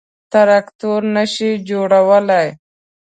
_تراکتور نه شي جوړولای.